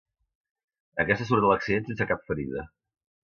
Aquesta surt de l'accident sense cap ferida.